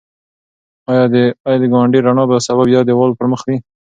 ایا د ګاونډي رڼا به سبا بیا د دېوال پر مخ وي؟